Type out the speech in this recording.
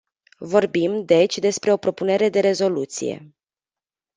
Vorbim, deci, despre o propunere de rezoluție.